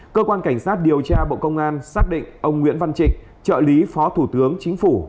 cơ quan cảnh sát điều tra bộ công an xác định ông nguyễn văn trịnh trợ lý phó thủ tướng chính phủ